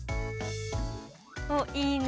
おっいいね。